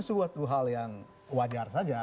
itu suatu hal yang wajar saja